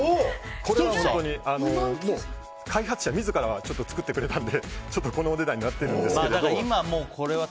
開発者自ら作ってくれたのでこのお値段になってるんですけど。